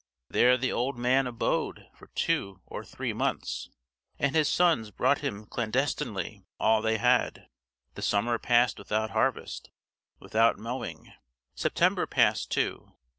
There the old man abode for two or three months, and his sons brought him clandestinely all they had. The summer passed without harvest, without mowing. September passed too.